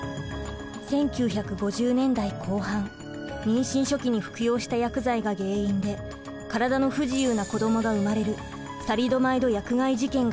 １９５０年代後半妊娠初期に服用した薬剤が原因で体の不自由な子どもが生まれる